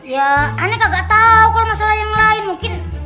ya aneh kagak tau kalau masalah yang lain mungkin